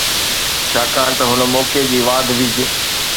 ڇاڪاڻ ته هن موقعي جي واڌ ويجهه